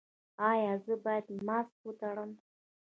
ایا زه باید ماسک وتړم؟